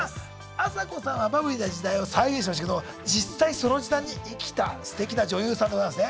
あさこさんはバブリーな時代を再現しましたけど実際その時代に生きたすてきな女優さんでございますね。